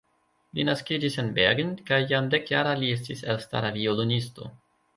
Li naskiĝis en Bergen, kaj jam dek-jara li estis elstara violonisto.